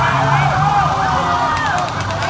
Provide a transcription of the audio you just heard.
หลวงอัศวินทะสาท